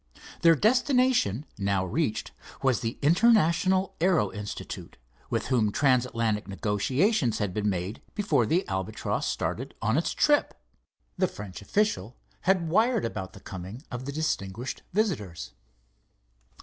Their destination, now reached, was the International Aero Institute, with whom trans Atlantic negotiations had been made before the Albatross started on its trip. The French official had wired about the coming of the distinguished visitors.